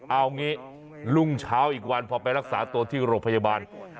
เอางี้รุ่งเช้าอีกวันพอไปรักษาตัวที่โรงพยาบาล